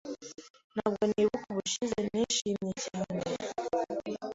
Ntabwo nibuka ubushize nishimiye cyane.